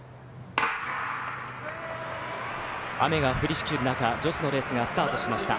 雨が降りしきる中女子のレースがスタートしました。